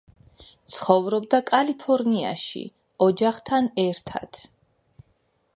ცხოვრობდა კალიფორნიაში, ოჯახთან ერთად.